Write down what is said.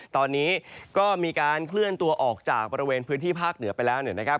ตอนนี้ก็มีการเคลื่อนตัวออกจากบริเวณพื้นที่ภาคเหนือไปแล้วนะครับ